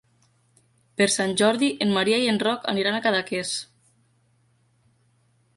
Per Sant Jordi en Maria i en Roc aniran a Cadaqués.